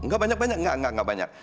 gak banyak banyak gak gak gak banyak